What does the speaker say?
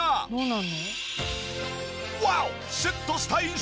何？